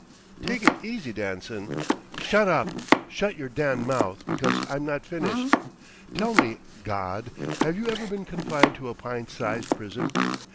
"Take it easy, Danson." "Shut up! Shut your damned mouth because I'm not finished! Tell me, god, have you ever been confined to a pint sized prison?